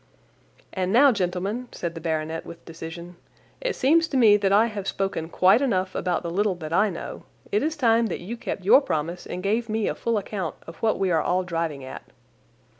"And, now, gentlemen," said the baronet with decision, "it seems to me that I have spoken quite enough about the little that I know. It is time that you kept your promise and gave me a full account of what we are all driving at."